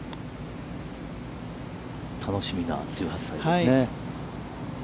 楽しみな１８歳ですね。